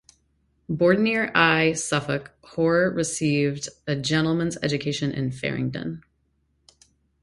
Born near Eye, Suffolk, Hoare received a gentleman's education in Faringdon.